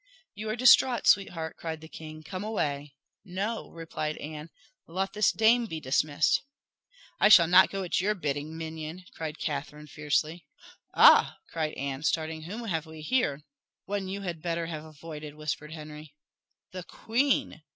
"You are distraught, sweetheart," cried the king. "Come away." "No," replied Anne. "Lot this dame be dismissed." "I shall not go at your bidding, minion!" cried Catherine fiercely. "Ah!" cried Anne, starting, "whom have we here?" "One you had better have avoided," whispered Henry. "The queen!"